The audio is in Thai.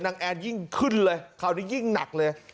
นางแอนยิ่งขึ้นเลยเขานี่ยิ่งหนักเลย